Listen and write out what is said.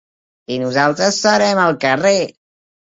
I nosaltres serem al carrer.